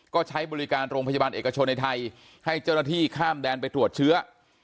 ก็ใช้บริการโรงพยาบาลเอกชนในไทยให้เจ้าหน้าที่ข้ามแดนไปตรวจเชื้อ